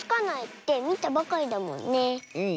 うん。